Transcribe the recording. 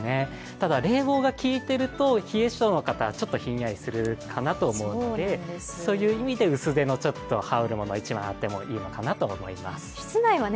ただ、冷房が効いていると冷え性の方はひんやりするかなと思うので、そういう意味で薄手の羽織るものあってもいいのかなと思います。